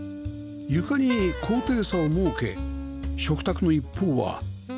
床に高低差を設け食卓の一方は掘り炬燵式に